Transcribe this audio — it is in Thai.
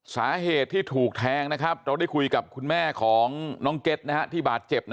สาเหตุที่ถูกแทงนะครับเราได้คุยกับคุณแม่ของน้องเก็ตนะฮะที่บาดเจ็บนะครับ